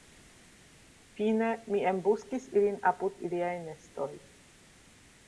Fine, mi embuskis ilin apud iliaj nestoj.